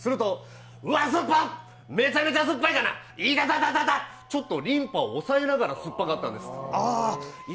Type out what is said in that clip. すると、うわっ、酸っぱ、めちゃめちゃ酸っぱいがな、いたたたた、ちょっと、リンパを押さえながら酸っぱかったんです。